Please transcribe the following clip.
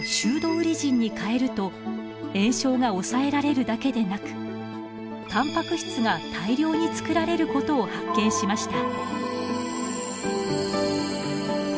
ウリジンにかえると炎症が抑えられるだけでなくタンパク質が大量に作られることを発見しました。